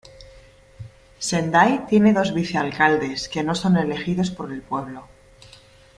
Sendai tiene dos vice alcaldes, que no son elegidos por el pueblo.